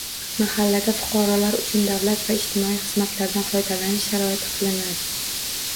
Mahallada fuqarolar uchun davlat va ijtimoiy xizmatlardan foydalanish sharoiti qilinadi.